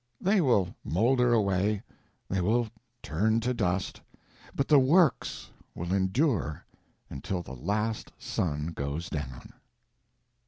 They will moulder away, they will turn to dust, but the Works will endure until the last sun goes down.